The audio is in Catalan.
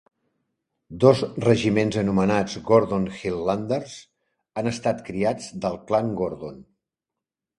Dos regiments anomenats "Gordon Highlanders" han estat criats del Clan Gordon.